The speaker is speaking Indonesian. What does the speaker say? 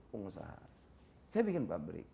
pengusaha saya bikin pabrik